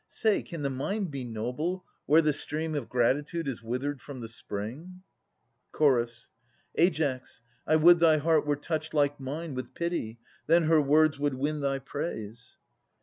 Say, can the mind be noble, where the stream Of gratitude is withered from the spring ? Ch. Aias, I would thy heart were touched like mine With pity; then her words would win thy praise.